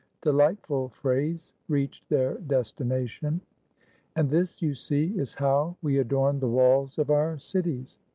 Delightful phrase! 'Reached their destination.' And this, you see, is how we adorn the walls of our cities.